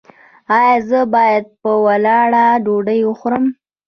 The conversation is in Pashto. ایا زه باید په ولاړه ډوډۍ وخورم؟